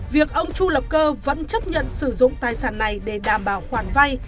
việc ông chu lập cơ vẫn chấp nhận sử dụng tài sản này để đảm bảo khoản vay